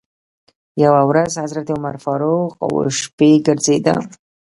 یوه ورځ حضرت عمر فاروق و شپې ګرځېده.